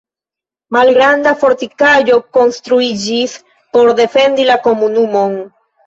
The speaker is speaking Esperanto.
Malgranda fortikaĵo konstruiĝis por defendi la komunumon.